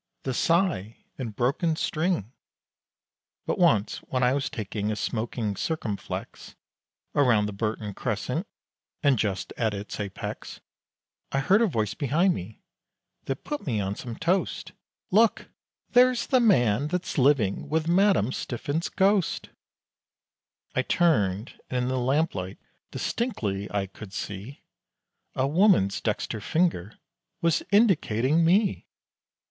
the sigh! and broken string! But once when I was taking a smoking circumflex, Around the Burton Crescent, and just at its apex, I heard a voice behind me, that put me on some toast, "Look! there's the man, that's living with Madame Stiffin's Ghost!" I turned, and in the lamplight, distinctly I could see, A woman's dexter finger, was indicating me!